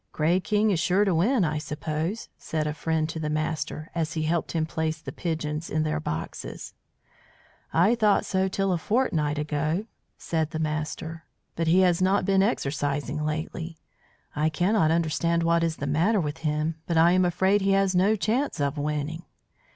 "Grey King is sure to win, I suppose," said a friend to the master as he helped him place the pigeons in their boxes. "I thought so till a fortnight ago," said the master; "but he has not been exercising lately. I cannot understand what is the matter with him, but I am afraid he has no chance of winning."